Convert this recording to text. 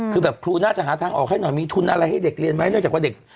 คือแบบครูน่าจะหาทางออกให้หน่อยมีทุนอะไรให้เด็กเรียนไหมเนื่องจากว่าเด็ก